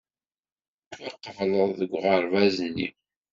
Tettwaqebled deg uɣerbaz-nni.